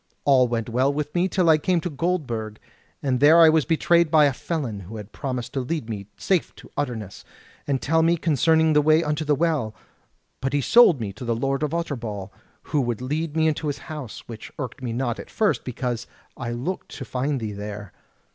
All went well with me, till I came to Goldburg, and there I was betrayed by a felon, who had promised to lead me safe to Utterness, and tell me concerning the way unto the Well. But he sold me to the Lord of Utterbol, who would lead me to his house; which irked me not, at first, because I looked to find thee there.